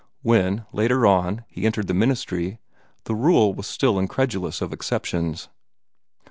When, later on, he entered the ministry, the rule was still incredulous of exceptions.